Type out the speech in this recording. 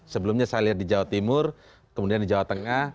sebelumnya saya lihat di jawa timur kemudian di jawa tengah